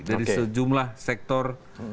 dari sejumlah sektor